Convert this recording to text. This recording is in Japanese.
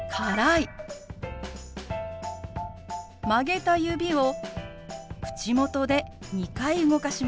曲げた指を口元で２回動かします。